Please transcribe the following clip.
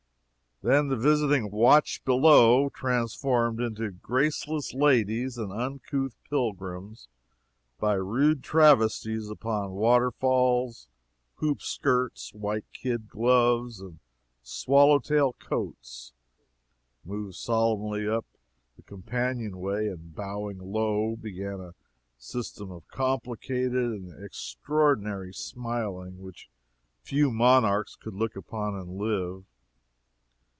Then the visiting "watch below," transformed into graceless ladies and uncouth pilgrims, by rude travesties upon waterfalls, hoopskirts, white kid gloves and swallow tail coats, moved solemnly up the companion way, and bowing low, began a system of complicated and extraordinary smiling which few monarchs could look upon and live.